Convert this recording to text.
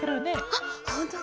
あっほんとだ！